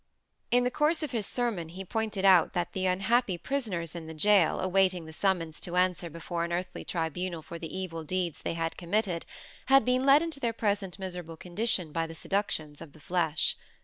In the course of his sermon he pointed out that the unhappy prisoners in the gaol, awaiting the summons to answer before an earthly tribunal for the evil deeds they had committed, had been led into their present miserable condition by the seductions of the flesh.